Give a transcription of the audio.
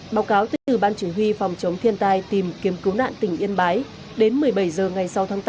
báo cáo từ ban chủ huy phòng chống thiên tai tìm kiếm cứu nạn tỉnh yên bái đến một mươi bảy h ngày sáu tháng tám